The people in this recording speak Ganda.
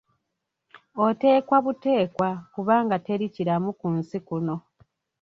Oteekwa buteekwa kubanga teri kiramu ku nsi kuno.